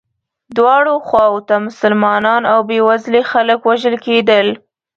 دواړو خواوو ته مسلمانان او بیوزلي خلک وژل کېدل.